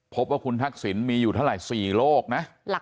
พบว่าคุณทักษิณมีอยู่เท่าไหร่๔โลกนะ